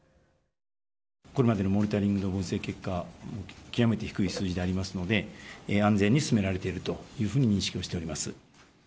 これまでのモニタリングの分析結果、極めて低い数字でありますので、安全に進められているというふうに認識をしております。